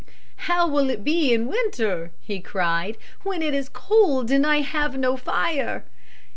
"How will it be in winter," he cried, "when it is cold, and I have no fire?"